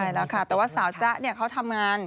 ใช่แล้วค่ะแต่ว่าสาวจ๊ะเขาทำงาน